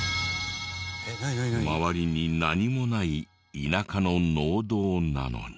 周りに何もない田舎の農道なのに。